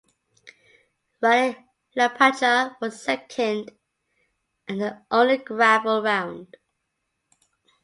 Rally Liepaja was the second and the only gravel round.